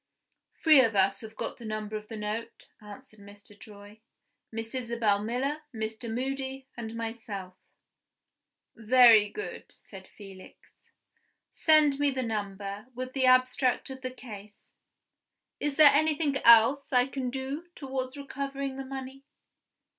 "Three of us have got the number of the note," answered Mr. Troy; "Miss Isabel Miller, Mr. Moody, and myself." "Very good," said Felix. "Send me the number, with the abstract of the case. Is there anything else I can do towards recovering the money?"